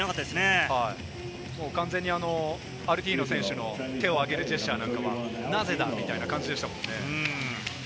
完全にアルティーノ選手の手を上げるジェスチャーなんかは、なぜだ？みたいな感じでしたもんね。